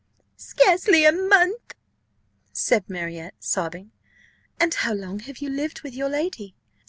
"Scarcely a month," said Marriott, sobbing. "And how long have you lived with your lady?"